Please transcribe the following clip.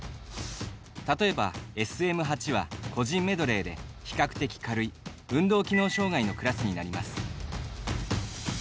例えば、ＳＭ８は個人メドレーで比較的軽い運動機能障がいのクラスになります。